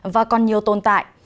và còn nhiều tồn tại